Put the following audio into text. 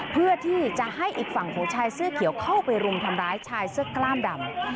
เพื่อที่จะให้อีกฝั่งของชายเสื้อเขียวเข้าไปรุมทำร้ายชายเสื้อกล้ามดำ